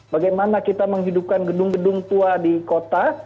bagaimana kita menghidupkan gedung gedung tua di kota